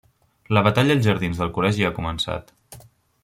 La batalla als jardins del col·legi ha començat.